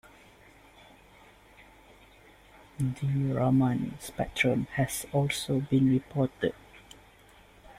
The Raman spectrum has also been reported.